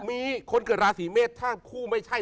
มีคนเกิดราศีเมษถ้าคู่ไม่ใช่